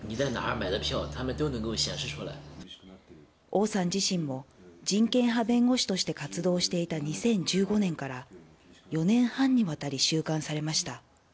オウさん自身も人権派弁護士として活動していた２０１５年から４年半にわたり収監されました。